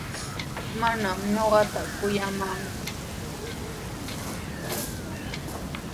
Manami ñuqata kuyamanku.